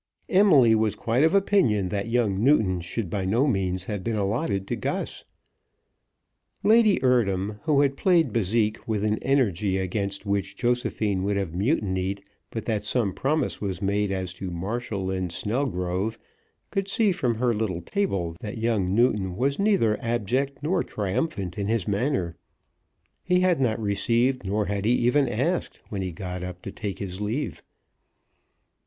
Emily was quite of opinion that young Newton should by no means have been allotted to Gus. Lady Eardham, who had played bésique with an energy against which Josephine would have mutinied but that some promise was made as to Marshall and Snelgrove, could see from her little table that young Newton was neither abject nor triumphant in his manner. He had not received nor had he even asked when he got up to take his leave.